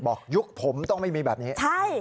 บอกยุคผมต้องไม่มีแบบนี้